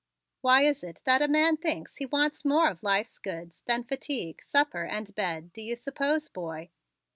"Why is it that a man thinks he wants more of life's goods than fatigue, supper and bed, do you suppose, boy?"